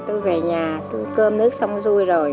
tôi về nhà tôi cơm nước xong vui rồi